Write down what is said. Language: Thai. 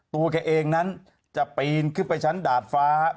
ตัวแกเองนั้นจะปีนขึ้นไปชั้นดาดฟ้าครับ